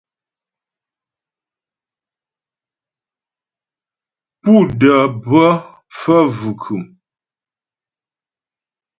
Pú də́ bhə phə́ bvʉ̀khʉm.